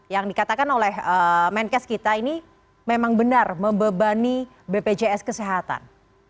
yang dikatakan oleh menkes kita ini memang benar membebani bpjs kesehatan